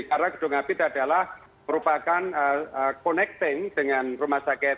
karena gedung akbit adalah merupakan connecting dengan rumah sakit